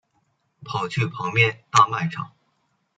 跑去旁边大卖场